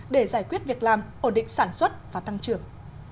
để giải quyết việc làm ổn định sản xuất và tăng trưởng